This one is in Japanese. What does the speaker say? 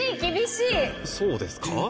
そうですか？